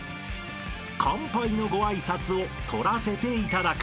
［乾杯のご挨拶を取らせていただく］